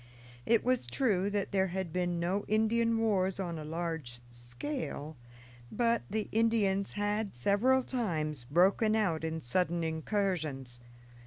It was true that there had been no Indian wars on a large scale, but the Indians had several times broken out in sudden incursions.